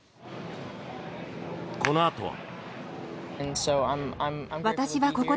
このあとは。